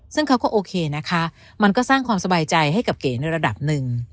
ซึ่งเขาก็โอเคนะคะมันก็สร้างความสบายใจให้กับเก๋ในระดับหนึ่ง